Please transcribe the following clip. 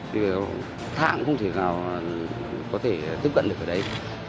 thì thạng cũng thể nào có thể tiếp cận được ở đấy